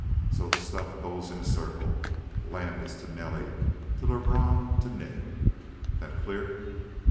So the stuff goes in a circle Landis to Nelly to Lebrun to Nick. That clear?"